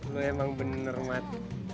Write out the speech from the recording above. lu emang bener mat